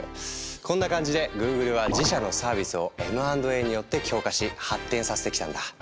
こんな感じでＧｏｏｇｌｅは自社のサービスをＭ＆Ａによって強化し発展させてきたんだ。